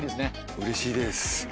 うれしいです。